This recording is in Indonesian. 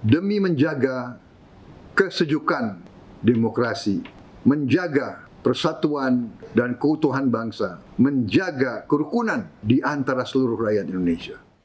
demi menjaga kesejukan demokrasi menjaga persatuan dan keutuhan bangsa menjaga kerukunan di antara seluruh rakyat indonesia